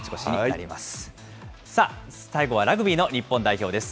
最後はラグビーの日本代表です。